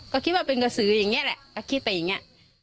ก็คิดว่าเป็นกระสืออย่างนี้แหละก็คิดไปอย่างนี้